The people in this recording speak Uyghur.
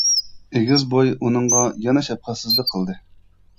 ئېگىز بوي ئۇنىڭغا يەنە شەپقەتسىزلىك قىلدى.